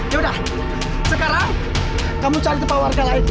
yaudah sekarang kamu cari tempat pemandang